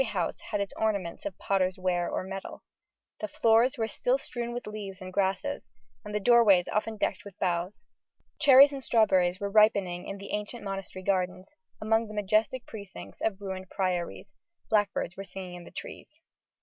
Every householder garnished his dwelling rooms with flowers, instead of ornaments of potter's ware or metal: the floors were still strewn with leaves and grasses, and the doorways often decked with boughs. Cherries and strawberries were ripening in the ancient monastery gardens, among the majestic precincts of ruined priories: blackbirds were singing in the trees.